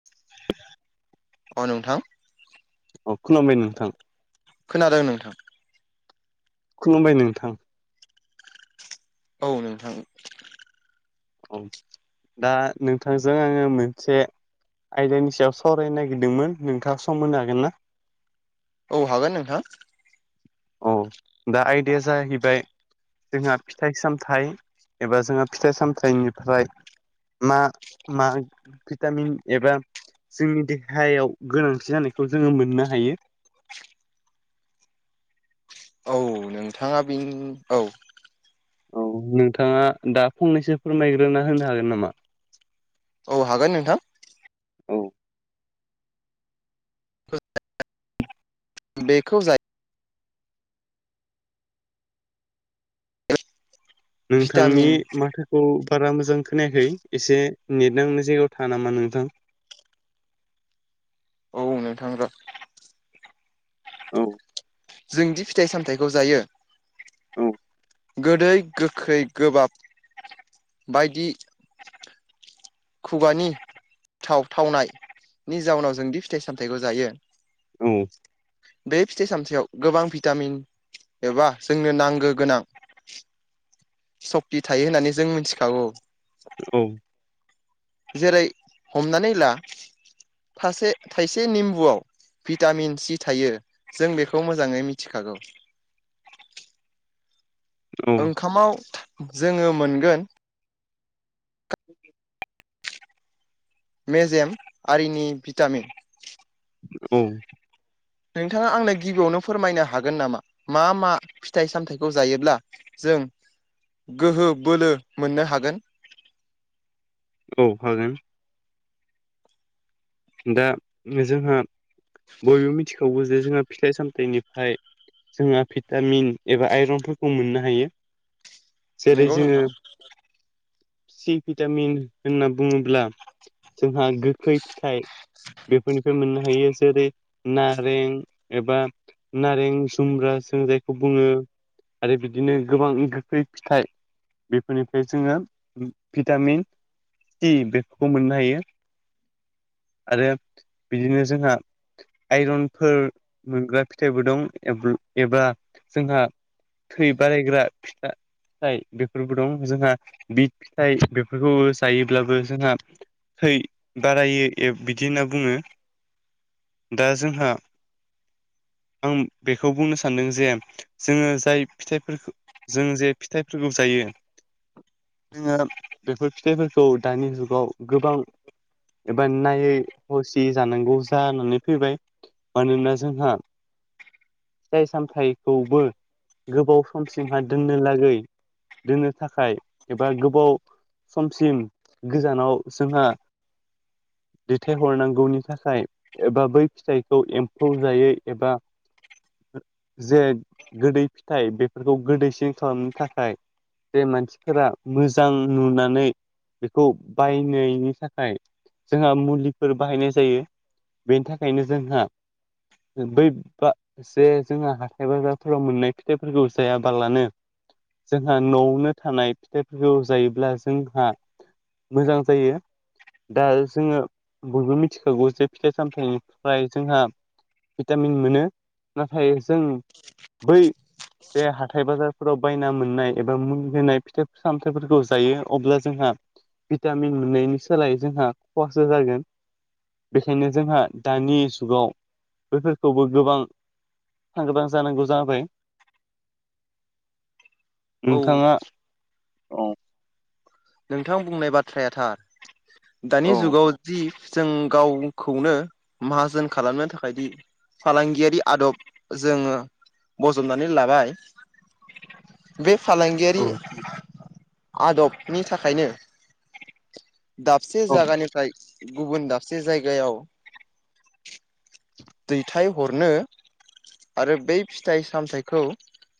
[unintelligible] अ नोंथां। अ खुलुमबाय नोंथां। खोनादों नोंथां? खुलुमबाय नोंथां। औ नोंथां। औ दा नोंथांजों आङो मोनसे आयदानि सायाव सावरायनो नागिरदोंमोन नोंथाङा सम होनो हागोन ना? औ हागोन नोंथां। औ दा आयदाया जाहैबाय जोंहा फिथाइ सामथाइ एबा जोंहा फिथाइ सामथाइनिफ्राय म मा भिटामिन एबा जोंनि देहायाव गोनांथि जानायखौ जोङो मोननो हायो। औ नोंथाङा बे औ औ नोंथाङा दा फंनैसो फोरमायग्रोना होनो हागोन नामा? औ हागोन नोंथां। औ [unintelligible] बेखौ जायो नोंथांनि भिटामिन माथो खौ बारा मोजां खोनायाखै एसे नेट नांनाय जायगायाव था नामा नोंथां? औ नोंथां र' औ जोंदि फिथाइ सामथाइखौ जायो औ गोदै गोखै गोबाब बायदि खुगानि थाव थावनायनि जाउनाव जोंदि फिथाइ सामथाइखौ जायो औ बे फिथाइ सामथाइयाव गोबां भिटामिन एबा जोंनो नांगो गोनां सक्थि थायो होननानै जों मिथिखागौ। औ जेरै हमनानै ला थासे-थायसे निम्बुआव भिटामिन सि थायो जों बेखौ मोजाङै मिथिखागौ। औ ओंखामाव जोङो मोनगोन [inaudible] मेजेम आरिनि भिटामिन औ नोंथाङा आंनो गिबियावनो फोरमायनो हागोन नामा? मा मा फिथाइ सामथाइखौ जायोब्ला जों गोहो बोलो मोननो हागोन। औ हागोन। दा जोंहा बयबो मिथिखागौ जे जोंहा फिथाइ सामथाइनिफ्राय जोंहा भिटामिन एबा आइरनफोरखौ मोननो हायो। जेरै नंगौ जोङो नोंथां सि भिटामिन होनना बुङोब्ला जोंहा गोखै फिथाइ [inaudible] बेफोरनिफ्राय मोननो हायो जेरै नारें एबा नारें जुमब्रा जों जायखौ बुङो आरो बिदिनो गोबां गोखै फिथाइ। बेफोरनिफ्राय जोङो भिटामिन सि बेफोरखौ मोननो हायो आरो बिदिनो जोंहा आइरनफोर मोनग्रा फिथाइबो दं एब्रु एबा जोंहा थै बारायग्रा फिथा थाइ बेफोरबो दं जोंहा बिट फिथाइ बेफोरखौबो जायोब्लाबो जोंहा थै बारायै एप बिदिनो बुङो दा जोंहा आं बेखौ बुंनो सान्दों जे जोङो जाय फिथाइफोरखौ जों जे फिथाइफोरखौ जायो जोङो बेफोर फिथाइफोरखौ दानि जुगाव गोबां बा नायै हसियै जानांगौ जानानै फैबाय मानोना जोंहा फिथाइ सामथाइखौबो गोबाव समसिमहा दोननो लागै दोननो थाखाय एबा गोबाव समसिम गोजानाव जोंहा दैथायहरनांगौनि थाखाय एबा बै फिथाइखौ एम्फौ जायै एबा जे गोदै फिथाइ बेफोरखौ गोदैसिन खालामनो थाखाय जे मानसिफोरा मोजां नुनानै बेखौ बायनायनि थाखाय जोंहा मुलिफोर बाहायनाय जायो बेनि थाखायनो जोंहा बै बा जे जोंहा हाथाय बाज्राफोराव मोननाय फिथाइफोरखौ जायाबालानो जोंहा न'आवनो थानाय फिथाइफोरखौ जायोब्ला जोंहा मोजां जायो। दा जोङो बयबो मिथिखागौ जे फिथाइ सामथाइनिफ्राय जोंहा भिटामिन मोनो नाथाय जों बै जे हाथाय बाजारफोराव बायना मोननाय एबा मुलि होनाय फिथाइ सामथाइफोरखौ जायो अब्ला जोंहा भिटामिन मोननायनि सोलाय जोंहा खहासो जागोन। बेखायनो जोंहा दानि जुगाव बैफोरखौबो गोबां सांग्रां जानांगौ जाबाय। औ नोंथाङा औ नोंथां बुंनाय बाथ्राया थार औ दानि जुगाव जि जों गावखौनो माहाजोन खालामनो थाखाय दि फालांगियारि आदब जोङो बजबनानै लाबाय [inaudible] बे फालांगियारि औ आदबनि थाखायनो दाबसे औ जायगानिफ्राय गुबुन दाबसे जायगायाव दैथाय हरनो आरो बै फिथाइ सामथाइखौ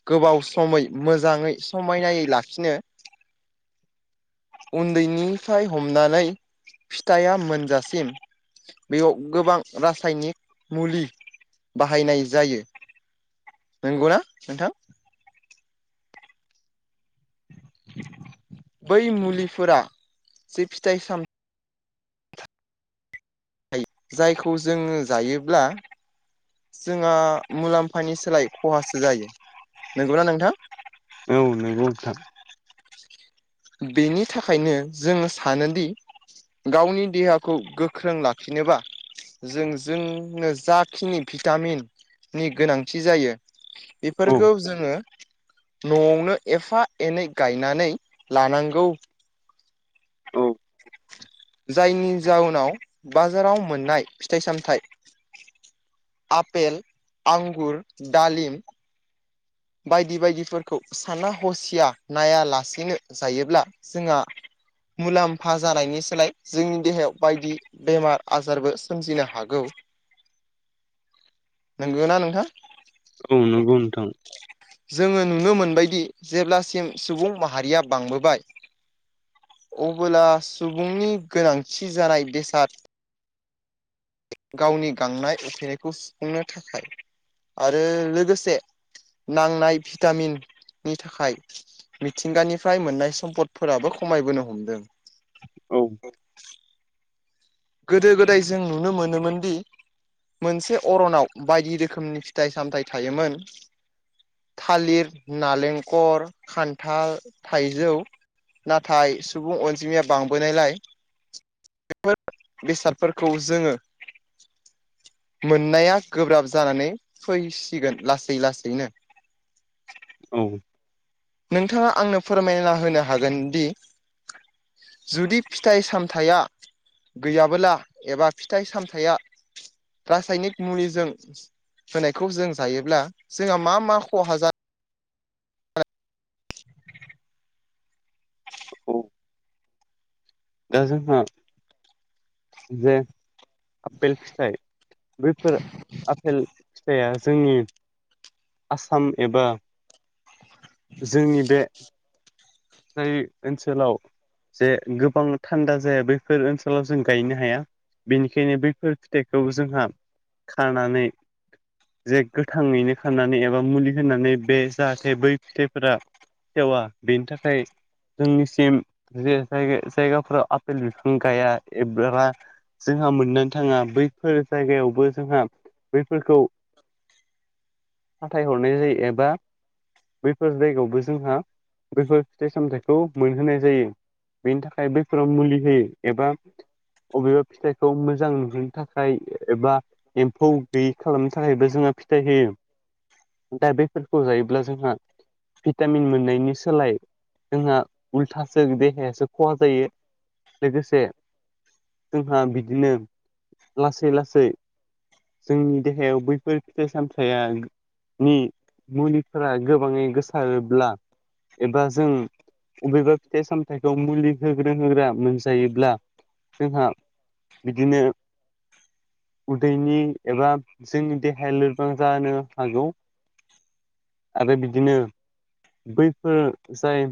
गोबाव समै मोजाङै समायनायै लाखिनो उन्दैनिफ्राय हमनानै फिथाइया मोनजासिम बेयाव गोबां रासायनिक मुलि बाहायनाय जायो नंगौनाा नोंथां? बै मुलिफोरा जे फिथाइ साम जायखौ जोङो जायोब्ला जोंहा मुलाम्फानि सोलाय खहासो जायो नंगौना नोंथां? औ नंगौ नोंथां। बेनि थाखायनो जोङो सानोदि गावनि देहाखौ गोख्रों लाखिनोब्ला जों जोंनो जाखिनि भिटामिन नि गोनांथि जायो औ बेफोरखौ जोङो न'आवनो एफा एनै गायनानै लानांगौ औ जायनि जाउनाव बाजाराव मोननाय फिथाइ सामथायाइ आपेल आंगुर डालिम बायदि बायदिफोरखौ साना हसिया नायालासेनो जायोब्ला जोंहा मुलाम्फा जानायनि सोलाय जोंनि देहायाव बायदि बेमार आजारबो सोमजिनो हागौ [inaudible] नंगौ ना नोंथां औ नंगौ नोंथां जोङो नुनो मोनबायदि जेब्लासिम सुबुं माहारिया बांबोबाय अबोब्ला सुबुंनि गोनांथि जानाय बेसाद गावनि गांनाय उखैनायखौ सुफुंनो थाखाय आरो लोगोसे नांनाय भिटामिननि थाखाय मिथिंगानिफ्राय मोननाय सम्पदफोराबो खमायबोनो हमदों औ [unintelligible] गोदो गोदाय जों नुनो मोनोमोनदि मोनसे अरनाव बायदि रोखोमनि फिथाइ सामथायाइ थायोमोन थालिर नालेंखर खान्थाल थाइजौ नाथाय सुबुं अनजिमाया बांबोनायलाय बेसादफोरखौ जोङो मोननाया गोब्राब जानानै फैसिगोन लासै लासैनो औ नोंथाङा आंनो फोरमायना होनो हागोन दि जुदि फिथाइ सामथाय‌आ गैयाबोला एबा फिथाइ सामथाइया रासायनिक मुलिजों होनायखौ जों जायोब्ला जोंहा मा मा खहा जानाय [inaudible] औ दा जोंहा जे आपेल फिथाइ बैफोर आपेल फिथाइया जोंनि आसाम एबा जोंनि बे जाय ओनसोलाव जे गोबां थान्दा जाया बैफोर ओनसोलाव जों गायनो हाया। बेनिखायनो बैफोर फिथाइखौ जोंहा खानानै जे गोथाङैनो खानानै एबा मुलि होनानै बे जाहाथे बै फिथाइफोरा सेवा बेनि थाखाय जोंनिसिम जो जाय जायगाफोराव आपेल बिफां गाया एबा जोंहा मोननानै थाङा बैफोर जायगायावबो जोंहा बैफोरखौ फाथायहरनाय जायो एबा बैफोर जायगायावबो जोंहा बैफोर फिथाइ सामथायाइखौ मोनहोनाय जायो बेनि थाखाय बैफोराव मुलि होयो एबा अबेबा फिथाइखौ मोजां नुहोनो थाखाय एबा एम्फौ गैयि खालामनो थाखायबो जोंङो फिथाइ होयो। दा बेफोरखौ जायोब्ला जोंहा भिटामिन मोननायनि सोलाय जोंहा उल्थासो देहायासो खहा जायो लोगोसे जोंहा बिदिनो लासै लासै जोंनि देहायाव बैफोर फिथाइ सामथाया नि मुलिफोरा गोबाङै गोसारोब्ला एबा जों बबेबा फिथाइ सामथायाइखौ मुलि होग्रो होग्रा मोनजायोब्ला जोंहा बिदिनो उदैनि एबा जोंनि देहाया लोरबां जानो हागौ। आरो बिदिनो बैफोर जाय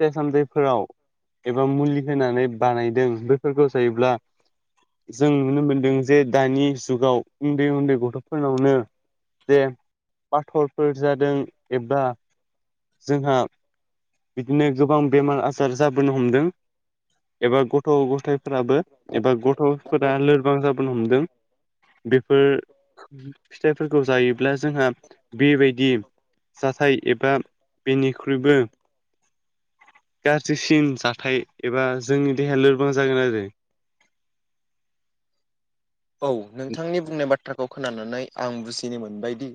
फिथाइ सामथैफोराव एबा मुलि होनानै बानायदों बेफोरखौ जायोब्ला जों नुनो मोनदों जे दानि जुगाव उन्दै उन्दै गथ'फोरनावनो जे पाथरफोर जादों एबा जोंहा बिदिनो गोबां बेमार आजार जाबोनो हमदों। एबा गथ' गथायफोराबो एबा गथ'फोरा लोरबां जाबोन हमदों। बेफोर फिथाइफोरखौ जायोब्ला जोंहा बेबायदि जाथाय एबा बेनिख्रुइबो गाज्रिसिन जाथाय एबा जोंनि देहाया लोरबां जागोन आरो। औ नोंथांनि बुंनाय बाथ्राखौ खोनानानै आं बुजिनो मोनबायदि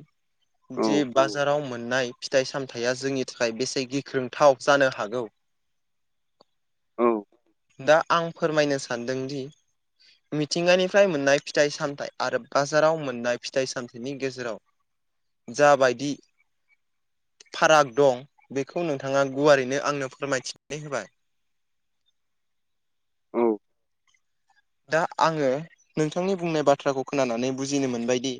दि बाजाराव मोननाय फिथाइ सामथाइया जोंनि थाखाय बेसे गिख्रोंथाव जानो हागौ। औ दा आं फोरमायनो सानदोंदि मिथिंगानिफ्राय मोननाय फिथाइ सामथायाइ आरो बाजाराव मोननाय फिथाइ सामथायाइनि गेजेराव [inaudible] जाबायदि फाराग दं बेखौ नोंथाङा गुवारैनो आंनो फोरमायथिनानै होबाय। दा आङो नोंथांनि बुंनाय बाथ्राखौ खोनानानै बुजिनो मोनबायदि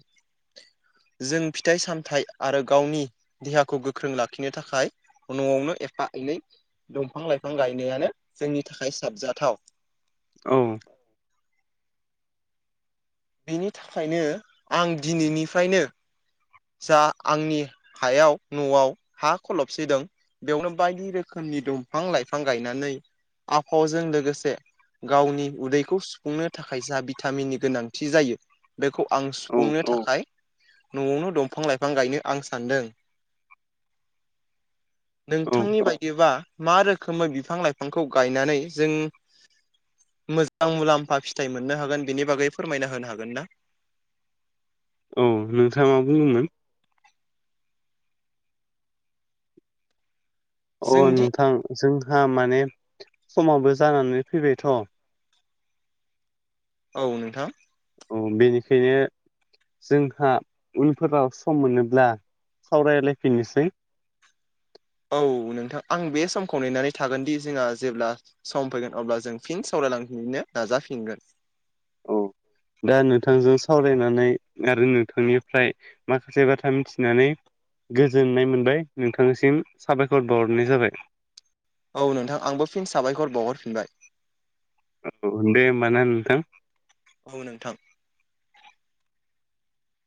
जों फिथाइ सामथायाइ आरो गावनि देहाखौ गोख्रों लाखिनो थाखाय न'आवनो एफा एनै दंफां लाइफां गायनायानो जोंनि थाखाय साबजाथाव। औ। बेनि थाखायनो आं दिनैनिफ्रायनो जा आंनि हायाव न'आव हा खलबसिदों बेयावनो बायदि रोखोमनि दंफां लाइफां गायनानै आबहावाजों लोगोसे गावनि उदैखौ सुफुंनो थाखाय जा भिटामिननि गोनांथि जायो। बेखौ आं सुफुंनो थाखाय न'आवनो दंफां लाइफां गायनो आं सानदों। औ नोंथांनि बायदिबा मा रोखोमै बिफां लाइफांखौ गायनानै जों मोजां मुलाम्फा फिथाइ मोननो हागोन बेनि बागै फोरमायना होनो हागोन ना? औ नोंथाङा मा बुंदोंमोन? अ जोंदि नोंथां जोंहा माने समावबो जानानै फैबायथ' औ नोंथां। औ बेनिखायनो जोंहा उनफोराव सम मोनोब्ला सावरायलायफिननोसै औ नोंथां आं बे समखौ नेनानै थागोनदि जोंहा जेब्ला सम फैगोन अब्ला जों फिन सावरायलांफिननो नाजाफिनगोन। औ दा नोंथांजों सावरायनानै आरो नोंथांनिफ्राय माखासे बाथ्रा मिथिनानै गोजोननाय मोनबाय नोंथांनिसिम साबायखर बावहरनाय जाबाय। औ नोंथां आंबो फिन साबायखर बावहरफिनबाय। औ दे होमबा नोंथां। औ नोंथां।